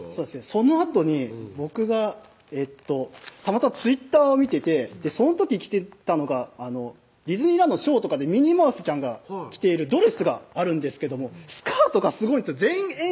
そのあとに僕がたまたまＴｗｉｔｔｅｒを見ててその時着てたのがディズニーランドのショーとかでミニーマウスちゃんが着ているドレスがあるんですけどもスカートがすごいんです全円